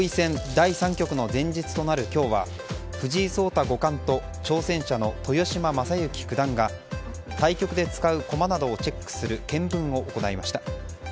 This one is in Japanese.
第３局の前日となる今日は藤井聡太五冠と挑戦者の豊島将之九段が対局で使う駒などをチェックする検分を行いました。